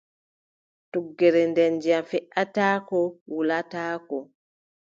Tuggere nder ndiyam, feʼataako wulataako.